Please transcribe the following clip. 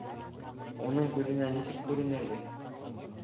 Уның күҙенә нисек күренербеҙ?